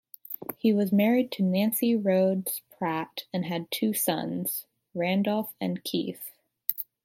He was married to Nancy Rhodes Pratt and had two sons, Randolph and Keith.